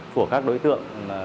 của các đối tượng